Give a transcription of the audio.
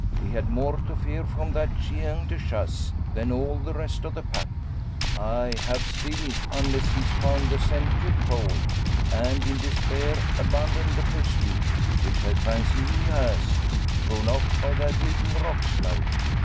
We had more to fear from that chien de chasse than all the rest of the pack ay, have still, unless he's found the scent too cold, and in despair abandoned the pursuit; which I fancy he has, thrown off by that little rock slide.